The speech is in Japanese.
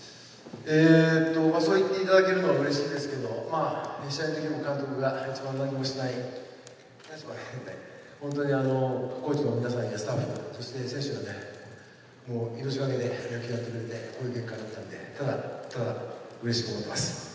そう言っていただけるのはうれしいんですけど、実際には監督が一番何もしてない立場で、本当にコーチの皆さんやスタッフ、そして選手、もう命懸けで野球やってくれて、こういう結果なんで、ただただうれしく思います。